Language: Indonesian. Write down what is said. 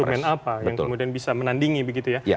momen apa yang kemudian bisa menandingi begitu ya